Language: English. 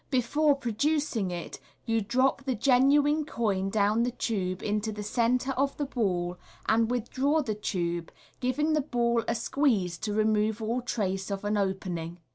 Be fore producing it, you drop the genuine coin down the tube into the centre of the ball, and withdraw the tube, giving the ball a squeeze to MODERN MA GIC. 199 remove all trace of an opening.